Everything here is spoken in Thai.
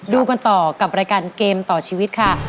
ดูกันต่อกับรายการเกมต่อชีวิตค่ะ